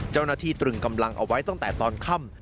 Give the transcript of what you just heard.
เจ้าหน้าทีตรึงกำลังเอาไว้ตั้งแต่ตอนคัง